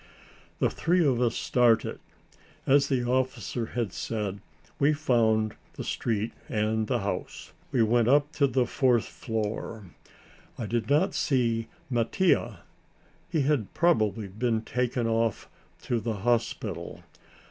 The three of us started. As the officer had said, we found the street and the house. We went up to the fourth floor. I did not see Mattia. He had probably been taken off to the hospital.